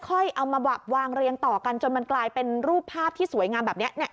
เอามาวางเรียงต่อกันจนมันกลายเป็นรูปภาพที่สวยงามแบบนี้